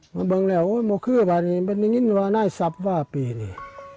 แล้วบางครั้งบอกไปมันเป็นอย่างนี้บาร์ร๙๐๐ภาพปีนี่